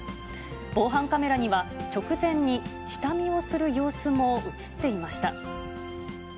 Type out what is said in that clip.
防犯カメラには、直前に下見をする様子も写っていました。